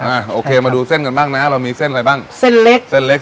อ่าโอเคมาดูเส้นกันบ้างนะเรามีเส้นอะไรบ้างเส้นเล็กเส้นเล็ก